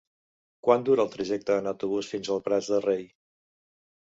Quant dura el trajecte en autobús fins als Prats de Rei?